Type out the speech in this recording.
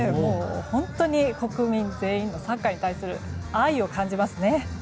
国民全員サッカーに対する愛を感じますね。